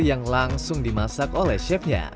yang langsung dimasak oleh chefnya